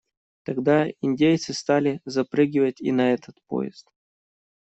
Тогда индейцы стали запрыгивать и на этот поезд.